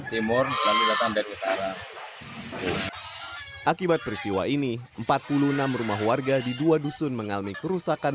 timur kami datang dari utara akibat peristiwa ini empat puluh enam rumah warga di dua dusun mengalami kerusakan